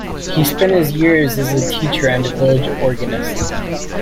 He spent his early years as a teacher and a village organist.